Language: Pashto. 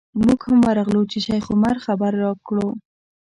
موږ هم ورغلو چې شیخ عمر خبر راکړو.